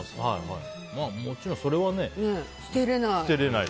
もちろんそれはね、捨てれない。